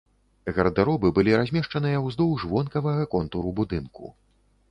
Гардэробы былі размешчаныя ўздоўж вонкавага контуру будынку.